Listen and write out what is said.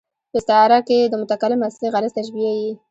په استعاره کښي د متکلم اصلي غرض تشبېه يي.